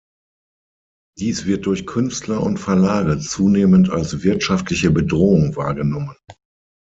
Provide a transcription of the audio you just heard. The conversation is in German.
Dies wird durch Künstler und Verlage zunehmend als wirtschaftliche Bedrohung wahrgenommen.